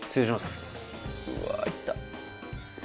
うわ行った。